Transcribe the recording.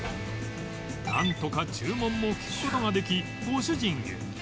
なんとか注文も聞く事ができご主人へ